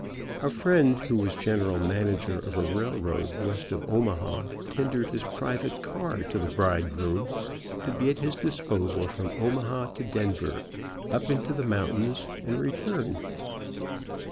A friend who was general manager of a railroad west of Omaha tendered his private car to the bride groom, to be at his disposal from Omaha to Denver, up into the mountains and return.